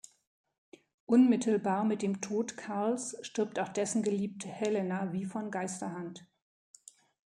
Unmittelbar mit dem Tod Karls stirbt auch dessen Geliebte Helena wie von Geisterhand.